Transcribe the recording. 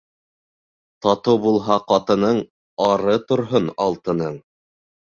Татыу булһа ҡатының, ары торһон алтының.